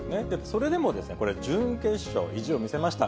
それでも準決勝、意地を見せました。